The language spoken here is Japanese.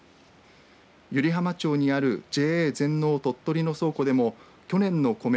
湯梨浜町にあるＪＡ全農とっとりの倉庫でも去年のコメ